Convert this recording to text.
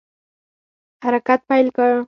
حرکت پیل شو.